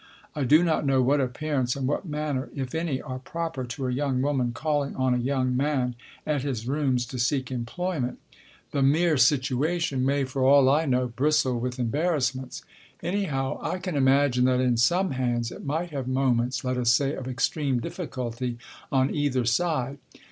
I do not know what appearance and what manner, if any, are proper to a young woman calling on a young man at his rooms to seek employment. The mere situa Book I : My Book 11 tion may, for all I know, bristle with embarrassments. Anyhow, I can imagine that in some hands it might have moments, let us say, of extreme difficulty on either side.